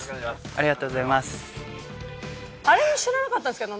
ありがとうございます。